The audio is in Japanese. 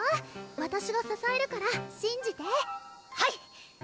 わたしがささえるからしんじてはい！